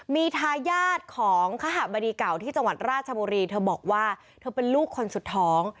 มีทายาทของคหบดีเก่าที่จังหวัดราชบุรีเธอบอกว่าเธอเป็นลูกคนสุดท้อง